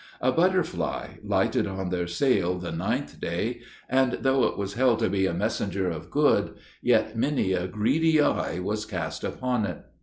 A butterfly lighted on their sail the ninth day, and though it was held to be a messenger of good, yet many a greedy eye was cast upon it.